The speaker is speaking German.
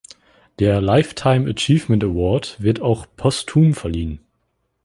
Der Lifetime Achievement Award wird auch postum verliehen.